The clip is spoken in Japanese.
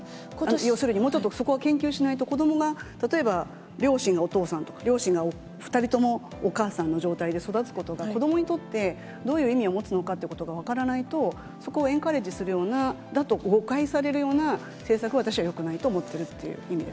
要するに、もうちょっとそこは研究しないと、子どもが例えば両親がお父さんとか、両親が２人ともお母さんの状態で育つことが、子どもにとって、どういう意味を持つのかということが分からないと、そこをエンカレッジするようなだと、あと誤解されるような政策は、私はよくないと思ってるっていう意味です。